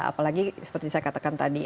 apalagi seperti saya katakan tadi